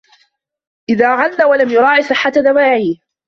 إذَا عَنَّ وَلَمْ يُرَاعِ صِحَّةَ دَوَاعِيهِ